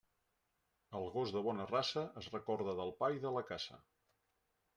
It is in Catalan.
El gos de bona raça es recorda del pa i de la caça.